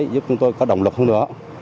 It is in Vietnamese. giúp chúng tôi có động lực hơn nữa